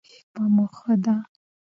شپه مو ښه ده